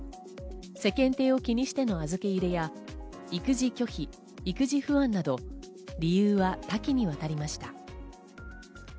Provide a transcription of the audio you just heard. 世間体を気にしての預け入れや、育児拒否、育児不安など、理由は多岐に渡りました。